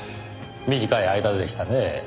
短い間でしたねぇ。